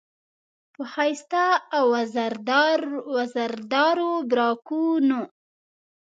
په ښایسته او وزردارو براقونو،